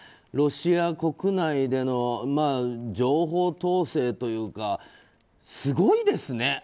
ロシア国内での情報統制というかすごいですね。